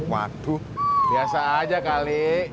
waduh biasa aja kali